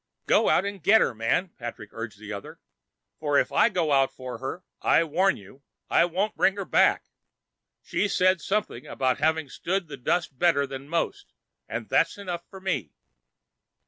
"Go out and get her, man," Patrick urged the other. "For if I go out for her, I warn you I won't bring her back. She said something about having stood the dust better than most, and that's enough for me."